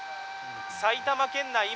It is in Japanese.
埼玉県内